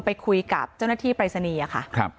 ไปคุยกับเจ้าหน้าที่ปริศนียะค่ะครับ